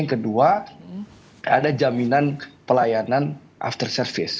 yang kedua ada jaminan pelayanan after service